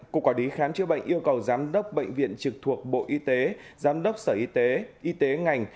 cục quản lý khám chữa bệnh yêu cầu giám đốc bệnh viện trực thuộc bộ y tế giám đốc sở y tế y tế ngành